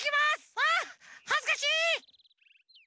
ああはずかしい！